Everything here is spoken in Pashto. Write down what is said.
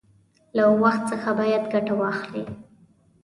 له وخت څخه باید ښه گټه واخلو.